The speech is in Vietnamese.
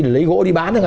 để lấy gỗ đi bán